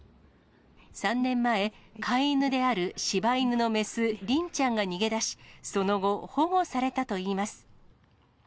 ３年前、飼い犬であるしば犬の雌、鈴ちゃんが逃げ出し、その後、保護されたといいます。